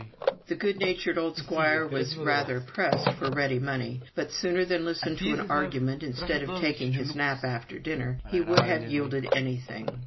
The good natured old squire was rather pressed for ready money, but sooner than listen to an argument instead of taking his nap after dinner he would have yielded anything.